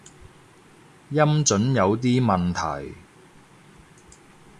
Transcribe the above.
音準有啲問題